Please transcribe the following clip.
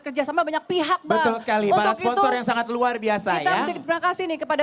kerjasama banyak pihak betul sekali para sponsor yang sangat luar biasa terima kasih nih kepada